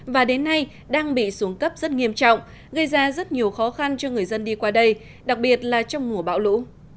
và đến nay đang bị xuống cấp rất nghiêm trọng gây ra rất nhiều khó khăn cho người dân đi qua đây đặc biệt là trong mùa bão lũ